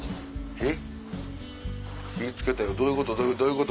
えっ？